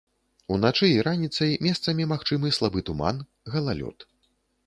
Уначы і раніцай месцамі магчымы слабы туман, галалёд.